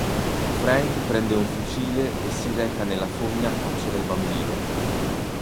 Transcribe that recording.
Frank prende un fucile e si reca nella fogna a caccia del bambino.